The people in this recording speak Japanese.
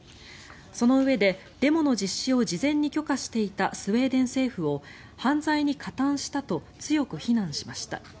そのうえで、デモの実施を事前に許可していたスウェーデン政府を犯罪に加担したと強く非難しました。